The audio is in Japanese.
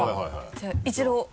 じゃあ一度。